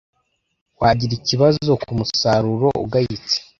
Wagira ikibazo k umusaruro ugayitse.